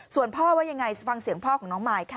ส่วนพ่อว่ายังไงฟังเสียงพ่อของน้องมายค่ะ